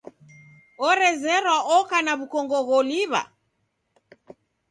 Orezerwa oka na w'ukongo gholiw'a?